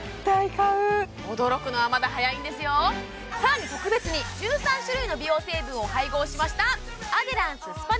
驚くのはまだ早いんですよ更に特別に１３種類の美容成分を配合しましたいいんですか？